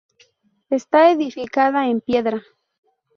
Está edificada en piedra.